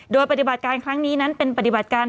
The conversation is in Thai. โดยปฏิบัติการครั้งนี้นั้นเป็นปฏิบัติการ